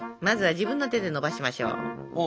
まずは自分の手でのばしましょう。